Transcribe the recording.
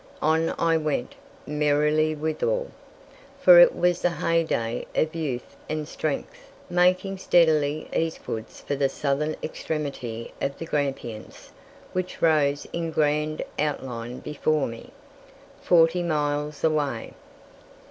On I went, merrily withal, for it was the heyday of youth and strength, making steadily eastwards for the southern extremity of the Grampians, which rose in grand outline before me, forty miles away.